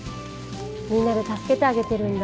みんなで助けてあげてるんだ。